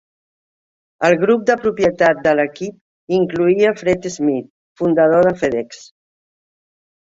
El grup de propietat de l'equip incloïa fred Smith, fundador de FedEx.